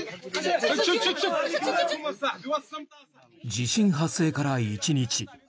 地震発生から１日。